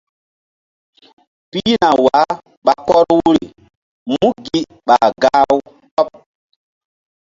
Pihna wah ɓa kɔr wuri mú gi ɓa gah-u tɔɓ.